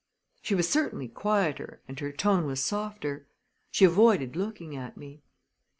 She was certainly quieter and her tone was softer. She avoided looking at me.